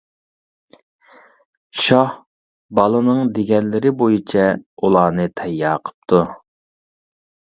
شاھ بالىنىڭ دېگەنلىرى بويىچە ئۇلارنى تەييار قىپتۇ.